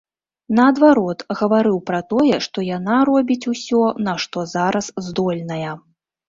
Наадварот, гаварыў пра тое, што яна робіць усё, на што зараз здольная.